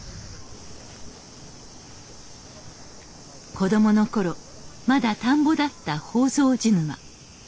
子どもの頃まだ田んぼだった宝蔵寺沼。